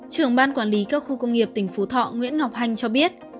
trưởng ban quản lý các khu công nghiệp tỉnh phú thọ nguyễn ngọc hanh cho biết